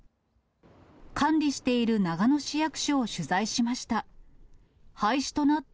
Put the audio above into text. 管理している長野市役所を取材しました。